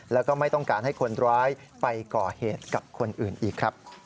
แล้วก็ไม่ต้องการให้คนร้ายไปก่อเหตุกับคนอื่นอีกครับ